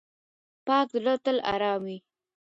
پاک زړه تل آرام وي.